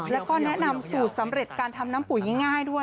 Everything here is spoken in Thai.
แล้วก็แนะนำสูตรสำเร็จการทำน้ำปุ๋ยง่ายด้วย